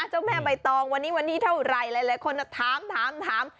เจ้าแม่ใบตองวันนี้วันที่เท่าไหร่หลายคนถามถาม